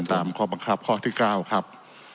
ตามข้อบังคับข้อที่๙ครับ